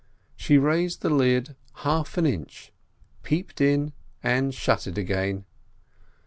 She raised the lid half an inch, peeped in, and shut it again.